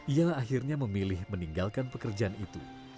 ialah akhirnya memilih meninggalkan pekerjaan itu